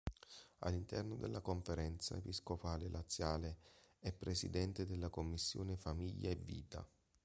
All'interno della Conferenza Episcopale Laziale è presidente della Commissione Famiglia e Vita.